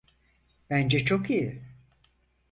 Bence çok iyi.